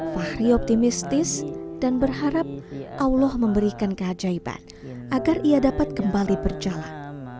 fahri optimistis dan berharap allah memberikan keajaiban agar ia dapat kembali berjalan